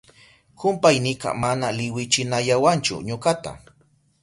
Kumpaynika mana liwichinayawanchu ñukata.